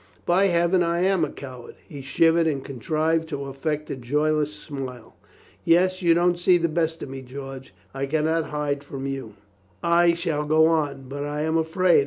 By Heaven, I am a coward." He shivered and contrived to affect a joyless smile. "Yes, you don't sec the best of me, George. I can not hide from you. I — I shall go on. But I am afraid.